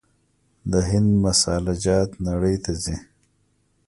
د هند مساله جات نړۍ ته ځي.